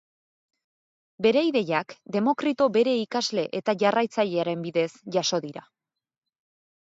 Bere ideiak Demokrito bere ikasle eta jarraitzailearen bidez jaso dira.